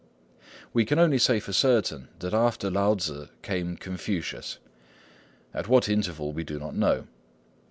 We can only say for certain that after Lao Tzŭ came Confucius—at what interval we do not know.